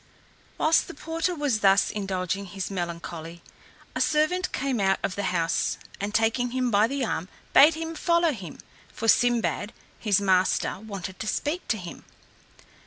Whilst the porter was thus indulging his melancholy, a servant came out of the house, and taking him by the arm, bade him follow him, for Sinbad, his master, wanted to speak to him.